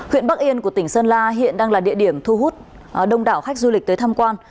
huyện bắc yên của tỉnh sơn la hiện đang là địa điểm thu hút đông đảo khách du lịch tới tham quan